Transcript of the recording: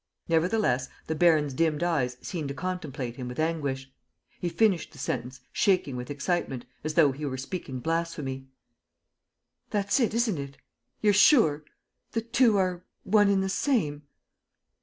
Nevertheless, the baron's dimmed eyes seemed to contemplate him with anguish. He finished the sentence, shaking with excitement, as though he were speaking blasphemy: "That's it, isn't it? You're sure? The two are one and the same?